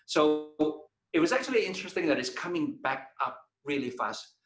jadi itu sebenarnya menarik bahwa itu mulai kembali dengan cepat